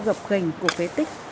gập gành của phế tích